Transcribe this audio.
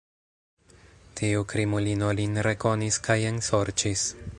Tiu krimulino lin rekonis kaj ensorĉis.